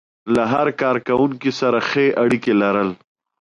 له هر کار کوونکي سره ښې اړيکې لرل.